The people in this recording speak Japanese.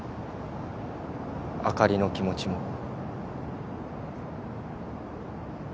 あかりの気持ちも。